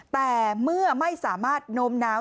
แต่เมื่อไม่สามารถโน้มน้าว